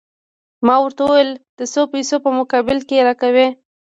ما ورته وویل: د څو پیسو په مقابل کې يې راکوې؟